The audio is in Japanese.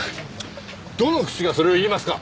どの口がそれを言いますか！